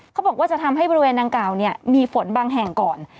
เขาบอกว่าจะทำให้บริเวณดังกล่าวเนี่ยมีฝนบางแห่งก่อน